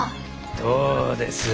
どうです？